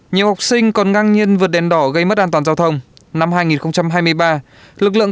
nhiều học sinh còn ngang nhiên vượt đèn đỏ gây mất an toàn giao thông năm hai nghìn hai mươi ba lực lượng